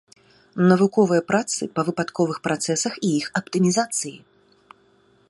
Навуковыя працы па выпадковых працэсах і іх аптымізацыі.